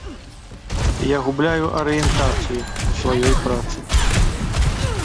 Я губляю арыентацыю ў сваёй працы.